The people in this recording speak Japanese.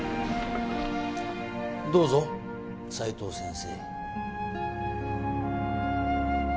どうぞ斉藤先生